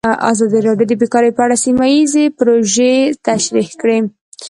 ازادي راډیو د بیکاري په اړه سیمه ییزې پروژې تشریح کړې.